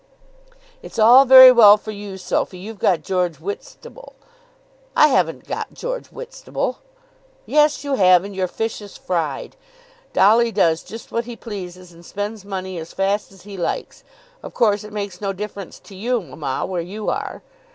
"It's all very well for you, Sophy. You've got George Whitstable." "I haven't got George Whitstable." "Yes, you have, and your fish is fried. Dolly does just what he pleases, and spends money as fast as he likes. Of course it makes no difference to you, mamma, where you are."